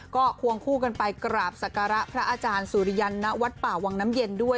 ก็ควงคู่กันไปกราบศักระพระอาจารย์สุริยันณวัดป่าวังน้ำเย็นด้วย